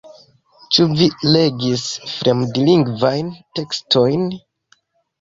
Ĉu vi legis fremdlingvajn tekstojn?